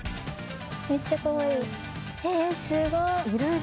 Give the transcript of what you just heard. めっちゃかわいい。